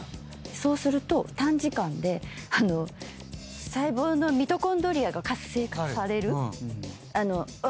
そうすると短時間で細胞のミトコンドリアが活性化される。